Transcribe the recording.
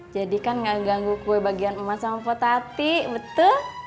jadikan nggak ganggu kue bagian emas sama pak tati betul